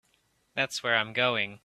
That's where I'm going.